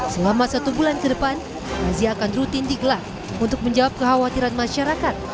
selama satu bulan ke depan razia akan rutin digelar untuk menjawab kekhawatiran masyarakat